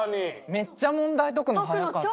めっちゃ問題解くの早かった。